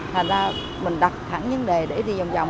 thành ra mình đặt thẳng vấn đề để đi vòng vòng